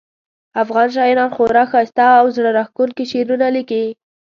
افغان شاعران خورا ښایسته او زړه راښکونکي شعرونه لیکي